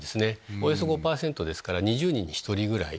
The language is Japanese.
およそ５％ですから２０人に１人ぐらい。